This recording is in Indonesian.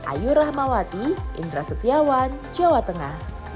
ayu rahmawati indra setiawan jawa tengah